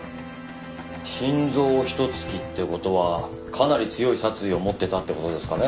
心臓をひと突きって事はかなり強い殺意を持ってたって事ですかね。